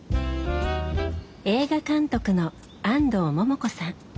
映画監督の安藤桃子さん。